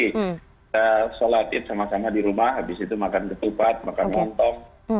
kita sholatin sama sama di rumah habis itu makan ketupat makan montong